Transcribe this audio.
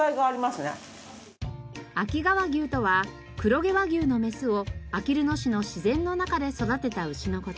秋川牛とは黒毛和牛のメスをあきる野市の自然の中で育てた牛の事。